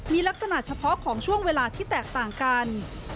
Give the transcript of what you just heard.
มีลักษณะเฉพาะของช่วงเวลาที่แตกต่างกัน